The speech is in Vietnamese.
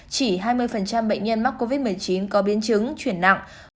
chỉ hai mươi bệnh nhân mắc covid một mươi chín có biến chứng chuyển nặng